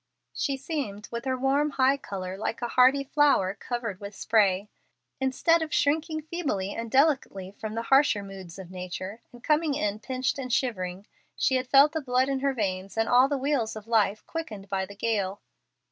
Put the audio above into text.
She seemed, with her warm, high color, like a hardy flower covered with spray. Instead of shrinking feebly and delicately from the harsher moods of nature, and coming in pinched and shivering, she had felt the blood in her veins and all the wheels of life quickened by the gale.